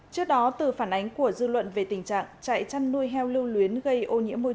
trước đó từ phản ánh của dư luận về tình trạng chạy chăn nuôi heo lưu luyến gây ô nhiễm môi trường